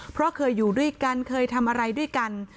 เพราะเคยอยู่ด้วยกันเคยทำอะไรด้วยกัน